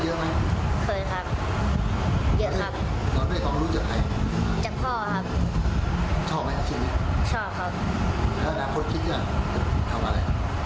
แล้วคนคิดอย่างไรจะทำอะไร